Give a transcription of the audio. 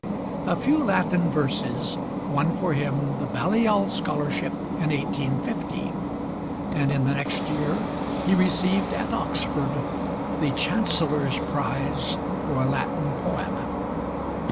A few Latin verses won for him the Balliol scholarship in 1850, and in the next year he received at Oxford the Chancellor's prize for a Latin poem.